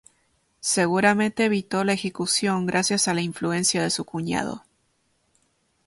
Seguramente evitó la ejecución gracias a la influencia de su cuñado.